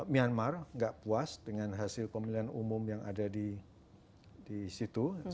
myanmar nggak puas dengan hasil pemilihan umum yang ada di situ